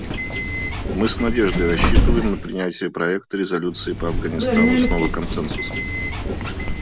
Мы с надеждой рассчитываем на принятие проекта резолюции по Афганистану снова консенсусом.